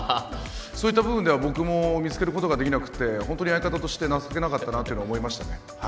そういった部分では、僕も見つけることができなくて、本当に相方として情けなかったなというのは思いましたね。